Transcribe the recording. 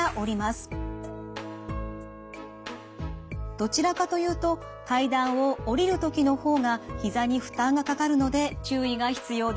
どちらかというと階段を下りるときのほうがひざに負担がかかるので注意が必要です。